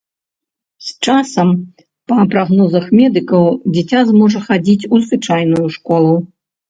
З часам, па прагнозах медыкаў, дзіця зможа хадзіць у звычайную школу.